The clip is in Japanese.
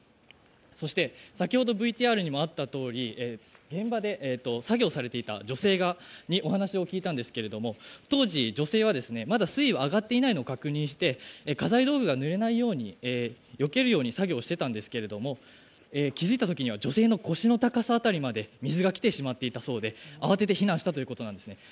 そして、先ほどＶＴＲにもあったとおり現場で、作業されていた女性にお話を聞いたんですが当時、女性はまだ水位は上がっていないのを確認して家財道具がぬれないように、よけるように作業をしていたんですけど気づいたときには、女性の腰の辺りの高さまで、水がきていたということで慌てて避難したということなんですね。